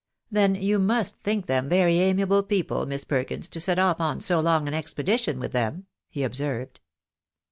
" Then you must think them very amiable people, Miss Perkins, to set off on so long an expedition with them," he observed.